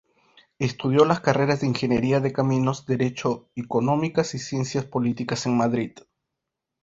Estudió las carreras de Ingeniería de Caminos, Derecho, Económicas y Ciencias Políticas en Madrid.